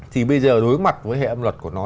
thì bây giờ đối mặt với hệ âm luật của nó